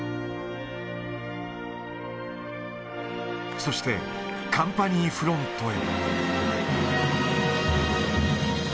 そして、カンパニーフロントへ。